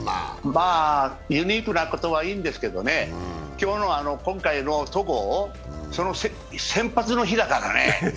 ユニークなことはいいんですけどね、今回の戸郷、先発の日だからね。